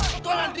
jangan lepasin ibu